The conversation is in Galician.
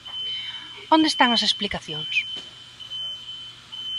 ¿Onde están as explicacións?